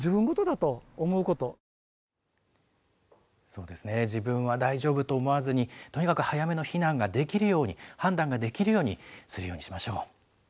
そうですね、自分は大丈夫と思わずに、とにかく早めの避難ができるように、判断ができるようにするようにしましょう。